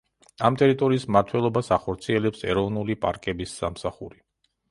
ამ ტერიტორიის მმართველობას ახორციელებს ეროვნული პარკების სამსახური.